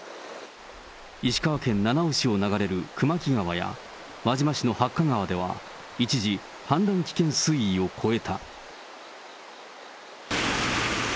石川県七尾市を流れる熊木川や、輪島市の八ヶ川では一時、氾濫危険水位を超えた。